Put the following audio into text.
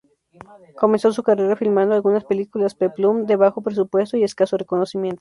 Comenzó su carrera filmando algunas películas "peplum" de bajo presupuesto y escaso reconocimiento.